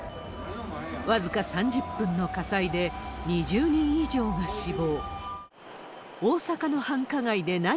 僅か３０分の火災で２０人以上が死亡。